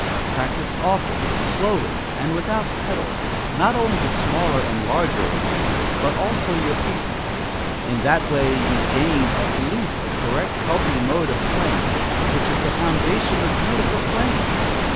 Practise often, slowly, and without pedal, not only the smaller and larger études, but also your pieces. In that way you gain, at least, a correct, healthy mode of playing, which is the foundation of beautiful playing.